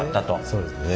そうですね。